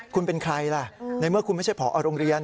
คุณเป็นใครล่ะในเมื่อคุณไม่ใช่ผอโรงเรียน